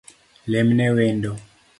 Lemne wendo